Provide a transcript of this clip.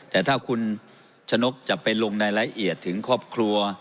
แต่ถ้าคุณชะนกจะไปลงรายละเอียดถึงครอบครัว